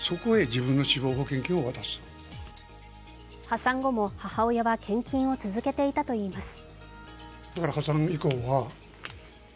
破産後も母親は献金を続けていたといいます。